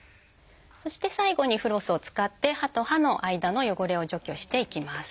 そして最後にフロスを使って歯と歯の間の汚れを除去していきます。